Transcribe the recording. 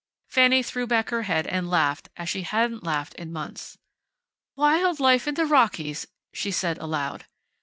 Fanny threw back her head and laughed as she hadn't laughed in months. "Wild life in the Rockies," she said aloud.